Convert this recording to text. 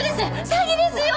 詐欺ですよ！